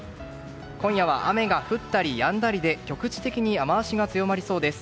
今夜は雨が降ったりやんだりで局地的に雨脚が強まりそうです。